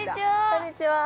こんにちは。